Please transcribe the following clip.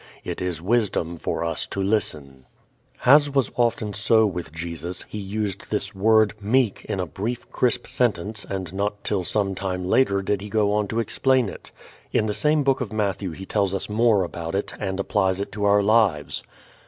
It is wisdom for us to listen. As was often so with Jesus, He used this word "meek" in a brief crisp sentence, and not till some time later did He go on to explain it. In the same book of Matthew He tells us more about it and applies it to our lives.